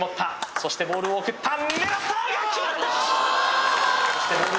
そしてボールを振った狙った！